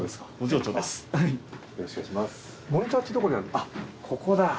あっここだ。